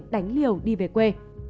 đánh liều đi về quê